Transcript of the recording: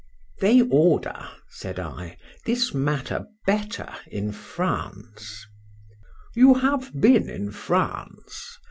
] THEY order, said I, this matter better in France.—You have been in France?